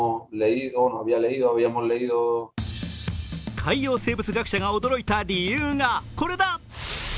海洋生物学者が驚いた理由が、これだ！